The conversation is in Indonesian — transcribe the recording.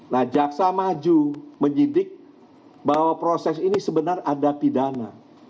nah jaksa maju menyidik bahwa proses ini sebenarnya ada pidana